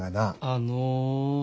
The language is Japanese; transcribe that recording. あの。